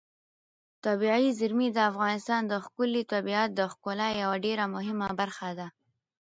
طبیعي زیرمې د افغانستان د ښكلي طبیعت د ښکلا یوه ډېره مهمه برخه ده.